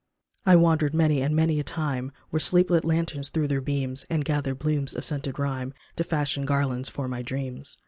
I wandered many and many a time Where sleep lit lanterns threw their beams, And gathered blooms of scented rhyme To fashion garlands for my dreams.